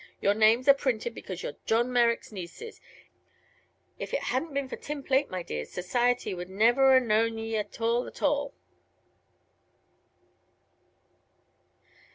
Your names are printed because you're John Merrick's nieces. If it hadn't been for tin plate, my dears, society never would 'a' known ye at all, at all!"